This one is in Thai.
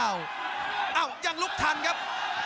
อ้าวยังลุกทันครับ